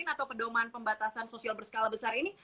atau pedoman pembatasan sosial berskala besar ini